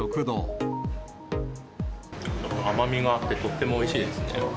甘みがあって、とってもおいしいですね。